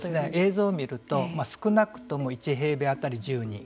映像を見ると少なくとも１平米あたり１０人。